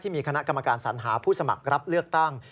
มีคณะกรรมการสัญหาผู้สมัครรับเลือกตั้ง